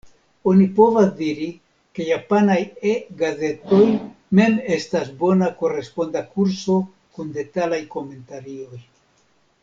Oni povas diri, ke japanaj E-gazetoj mem estas bona koresponda kurso kun detalaj komentarioj.